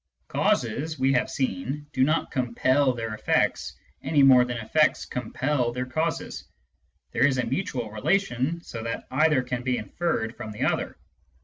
Causes, we have seen, do not compel their effects, any more than effects compel their causes. There is a mutual relation, so that either can be inferred from the other.